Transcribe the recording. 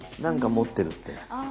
何か持ってるって。